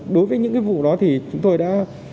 đối với những vụ đó thì chúng tôi đã